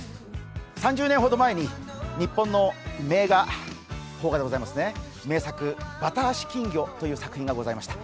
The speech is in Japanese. ３０年ほど前に、日本の名画邦画がございますね「ばた足金魚」というものがございました。